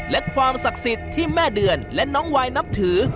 และความศักดิ์สิทธิ์ที่แม่เดือนและน้องวายนับถือ